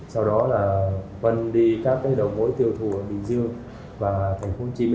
sau đó là vân đi các đồng hối tiêu thù ở bình dương và tp hcm